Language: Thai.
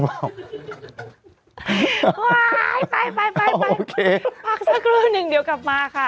ปั๊กสักหรือนึงเดี๋ยวกลับมาค่ะ